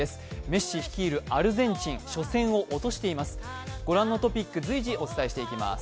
メッシ率いるアルゼンチン、初戦を落としています。